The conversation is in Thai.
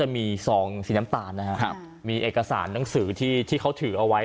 มีซองสีน้ำตาลนะครับมีเอกสารหนังสือที่เขาถือเอาไว้